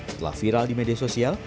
setelah viral di media sosial